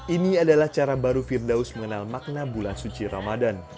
ini adalah cara baru firdaus mengenal makna bulan suci ramadan